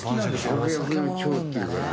百薬の長っていうから。